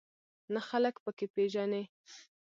نه خلک په کې پېژنې.